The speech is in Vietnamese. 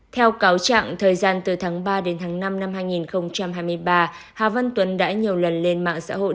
theo cáo trạng thời gian từ tháng ba đến tháng năm năm hai nghìn hai mươi ba hà văn tuấn đã nhiều lần lên mạng xã hội